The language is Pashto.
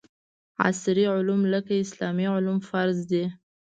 عصري علوم لکه اسلامي علوم فرض دي